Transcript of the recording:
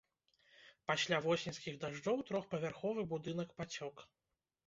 Пасля восеньскіх дажджоў трохпавярховы будынак пацёк.